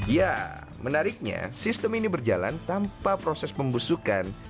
ya menariknya sistem ini berjalan tanpa proses pembusukan